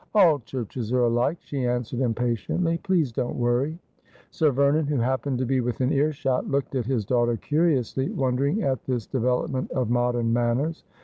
'All churches are alike,' she answered impatiently. ' Please don't worry.' Sir Vernon, who happened to be within earshot, looked at his daughter curiously, wondering at this development of modern manners.